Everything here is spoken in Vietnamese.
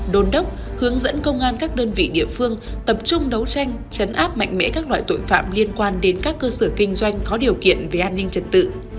đồn đốc hướng dẫn công an các đơn vị địa phương tập trung đấu tranh chấn áp mạnh mẽ các loại tội phạm liên quan đến các cơ sở kinh doanh có điều kiện về an ninh trật tự